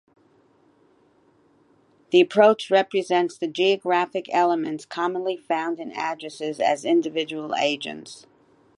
The approach represents the geographic elements commonly found in addresses as individual agents.